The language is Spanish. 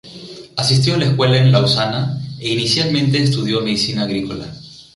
Asistió a la escuela en Lausana, e inicialmente estudió medicina agrícola.